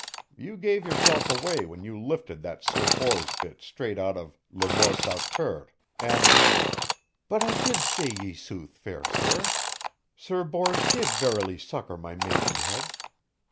You gave yourself away when you lifted that Sir Bors bit straight out of Le Morte d'Arthur and " "But I did say ye sooth, fair sir. Sir Bors did verily succor my maidenhead.